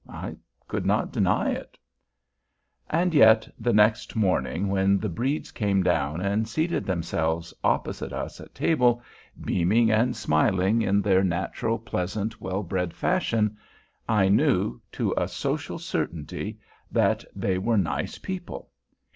I could not deny it. And yet, the next morning, when the Bredes came down and seated themselves opposite us at table, beaming and smiling in their natural, pleasant, well bred fashion, I knew, to a social certainty, that they were "nice" people.